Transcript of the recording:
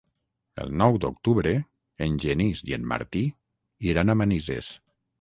El nou d'octubre en Genís i en Martí iran a Manises.